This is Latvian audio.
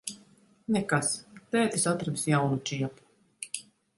Nekas. Tētis atradis jaunu čiepu.